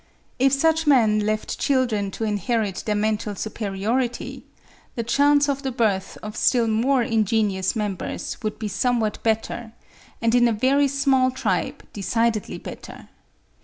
If such men left children to inherit their mental superiority, the chance of the birth of still more ingenious members would be somewhat better, and in a very small tribe decidedly better.